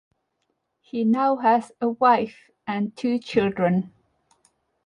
He now has a wife and two children.